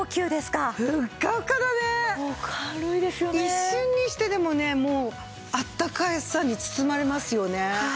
一瞬にしてでもねもうあたたかさに包まれますよね。